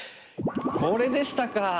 これでしたか。